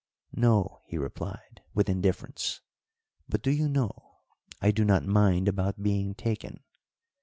"No," he replied, with indifference. "But, do you know, I do not mind about being taken.